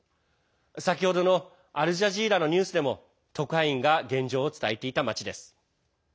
先ほどのアルジャジーラのニュースでも特派員が現状を伝えていた町です。